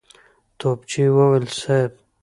توپچي وويل: صېب!